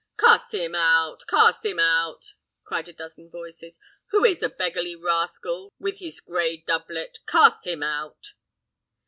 "Cast him out! cast him out!" cried a dozen voices. "Who is the beggarly rascal with his gray doublet? Cast him out!"